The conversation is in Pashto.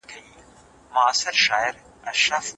که تاسي مېوه وخورئ، نو ویټامینونه به ترلاسه کړئ.